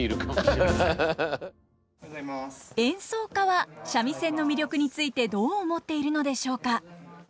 演奏家は三味線の魅力についてどう思っているのでしょうか。